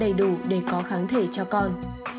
đầy đủ để có kháng thể cho con